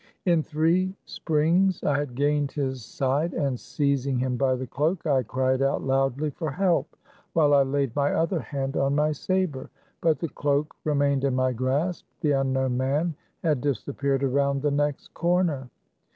" In three springs I had gained his side, and seizing him by the cloak I cried out loudly for help, while I laid my other hand on my saber. But the cloak remained in my grasp ; the unknown man had disappeared around the next corner.